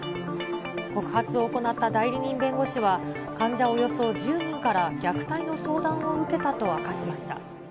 告発を行った代理人弁護士は、患者およそ１０人から虐待の相談を受けたと明かしました。